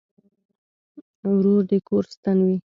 ورور د کور ستن وي.